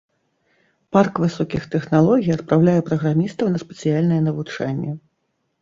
Парк высокіх тэхналогій адпраўляе праграмістаў на спецыяльнае навучанне.